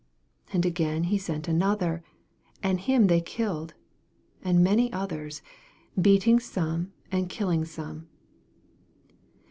5 And again he sent another ; and him they killed, and many others ; beating some and killing some.